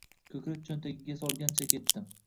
Koʻkrak choʻntagiga solgancha ketdi.